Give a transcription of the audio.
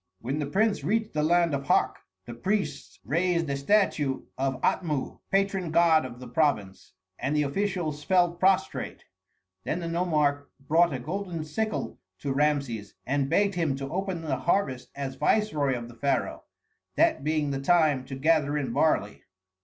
When the prince reached the land of Hak, the priests raised a statue of Atmu, patron god of the province, and the officials fell prostrate; then the nomarch brought a golden sickle to Rameses, and begged him to open the harvest as viceroy of the pharaoh, that being the time to gather in barley.